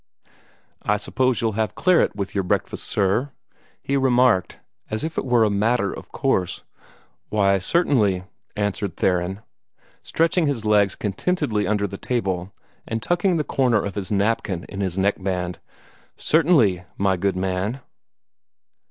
"I suppose you'll have claret with your breakfast, sir?" he remarked, as if it were a matter of course. "Why, certainly," answered Theron, stretching his legs contentedly under the table, and tucking the corner of his napkin in his neckband. "Certainly, my good man."